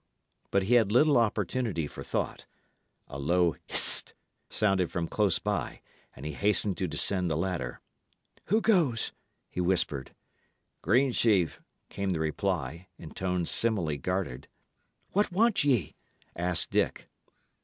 But he had little opportunity for thought. A low "Hist!" sounded from close by, and he hastened to descend the ladder. "Who goes?" he whispered. "Greensheve," came the reply, in tones similarly guarded. "What want ye?" asked Dick.